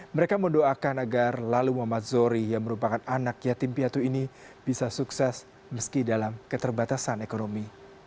mereka mendoakan agar lalu muhammad zohri yang merupakan anak yatim piatu ini bisa sukses meski dalam keterbatasan ekonomi